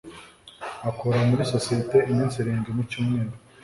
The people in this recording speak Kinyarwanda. Akora muri sosiyete iminsi irindwi mu cyumweru.